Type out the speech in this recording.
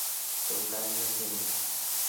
Don Carlos entra.